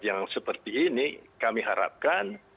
yang seperti ini kami harapkan